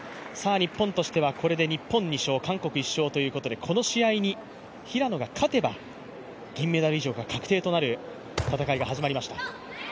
日本としてはこれで日本２勝、韓国１勝ということでこの試合に平野が勝てば銀メダル以上が確定となる戦いが始まりました。